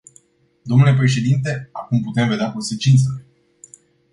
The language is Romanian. Domnule președinte, acum putem vedea consecințele.